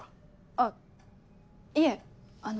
あっいえあの。